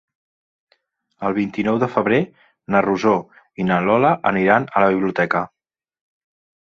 El vint-i-nou de febrer na Rosó i na Lola aniran a la biblioteca.